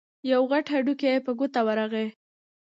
يو غټ هډوکی په ګوتو ورغی.